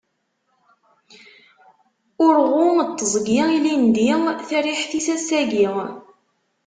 Urɣu n teẓgi ilindi, tariḥt-is, ass-agi.